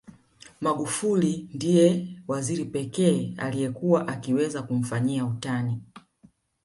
Magufuli ndiye waziri pekee aliyekuwa akiweza kumfanyia utani